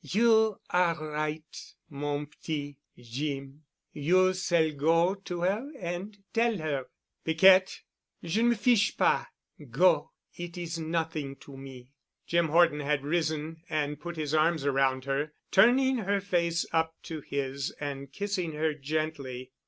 "You are right, mon petit Jeem. You s'all go to 'er and tell 'er——" "Piquette——!" "Je ne me fiche pas. Go. It's nothing to me." Jim Horton had risen and put his arms around her, turning her face up to his and kissing her gently.